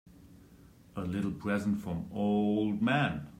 A little present from old man.